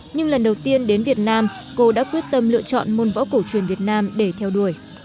nhưng lần đầu tiên đến việt nam cô đã quyết tâm lựa chọn môn võ cổ truyền việt nam để theo đuổi